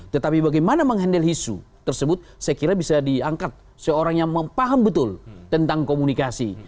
tetapi bagaimana menghandle isu tersebut saya kira bisa diangkat seorang yang paham betul tentang komunikasi